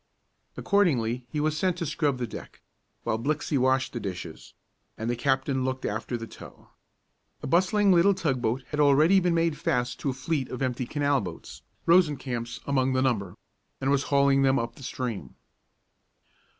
Accordingly he was sent to scrub the deck, while Blixey washed the dishes, and the captain looked after the tow. A bustling little tug boat had already made fast to a fleet of empty canal boats, Rosencamp's among the number, and was hauling them up the stream.